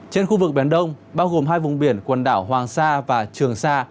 trên khu vực biển đông bao gồm hai vùng biển quần đảo hoàng sa và trường sa